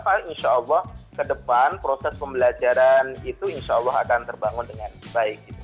insya allah ke depan proses pembelajaran itu insya allah akan terbangun dengan baik